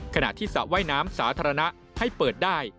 ขณะที่สระว่ายน้ำสาธารณะให้เปิดได้